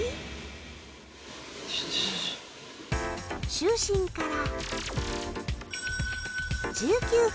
就寝から。